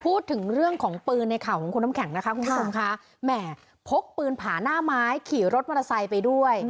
พูดถึงเรื่องของปืนในข่าวของคุณน้ำแข็งนะคะคุณผู้ชมค่ะแหม่พกปืนผาหน้าไม้ขี่รถมอเตอร์ไซค์ไปด้วย